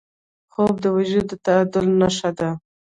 خوب د وجود د تعادل نښه ده